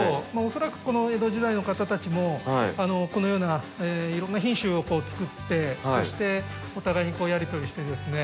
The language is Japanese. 恐らくこの江戸時代の方たちもこのようないろんな品種を作ってそしてお互いにこうやり取りしてですね